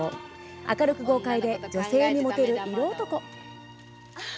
明るく豪快で女性にモテる色男。